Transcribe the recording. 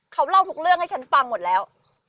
เขาเล่าทุกเรื่องให้ฉันฟังหมดแล้ว